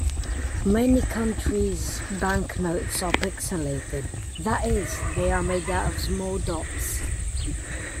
Many countries' banknotes are pixelated-that is, they are made out of small dots.